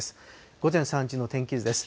午前３時の天気図です。